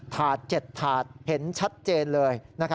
ถาด๗ถาดเห็นชัดเจนเลย